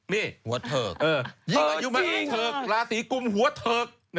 จริงแหละหัวเถิก